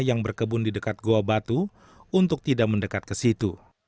yang berkebun di dekat goa batu untuk tidak mendekat ke situ